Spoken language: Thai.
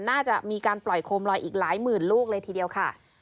น่าจะมีการปล่อยโคมลอยอีกหลายหมื่นลูกเลยทีเดียวค่ะ